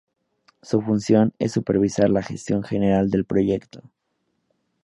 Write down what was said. Su función es supervisar la gestión general del proyecto.